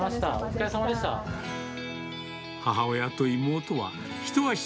うぃー、お疲れさまでした。